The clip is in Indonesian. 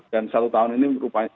dan satu tahun ini